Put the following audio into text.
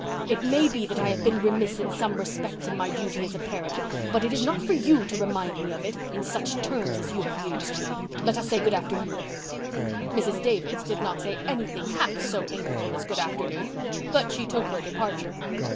It may be that I have been remiss in some respects in my duty as a parent, but it is not for you to remind me of it in such terms as you have used. Let us say good afternoon." Mrs. Davis did not say anything half so amiable as good afternoon, but she took her departure.